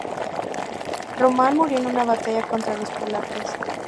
Román murió en una batalla contra los polacos.